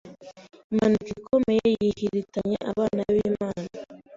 impanuka ikomeye yrihitanye abana b’imana